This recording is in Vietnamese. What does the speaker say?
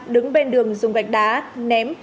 đứng bên đường dùng gạch đá ném